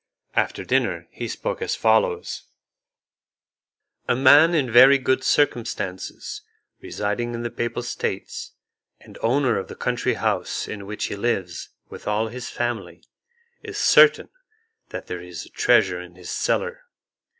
After dinner, he spoke as follows: "A man in very good circumstances, residing in the Papal States, and owner of the country house in which he lives with all his family, is certain that there is a treasure in his cellar.